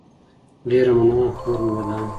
ډيره مننه کور مو ودان